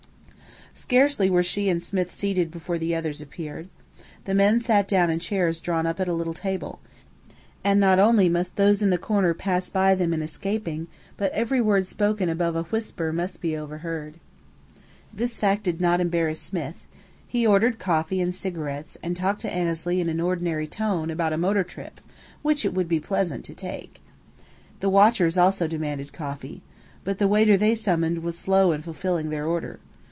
Scarcely were she and Smith seated before the others appeared. The men sat down in chairs drawn up at a little table; and not only must those in the corner pass by them in escaping, but every word spoken above a whisper must be overheard. This fact did not embarrass Smith. He ordered coffee and cigarettes, and talked to Annesley in an ordinary tone about a motor trip which it would be pleasant to take. The watchers also demanded coffee. But the waiter they summoned was slow in fulfilling their order.